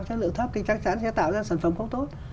chất lượng thấp thì chắc chắn sẽ tạo ra sản phẩm không tốt